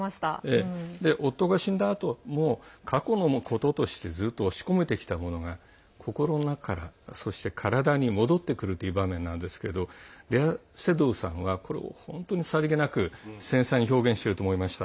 夫が死んだあとも過去のこととしてずっと押し込めてきたものが心の中からそして体に戻ってくるという場面なんですけどレア・セドゥさんはこれを本当にさりげなく繊細に表現してると思いました。